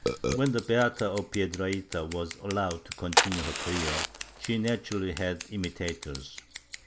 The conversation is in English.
When the Beata of Piedrahita was allowed to continue her career, she nat urally had imitators.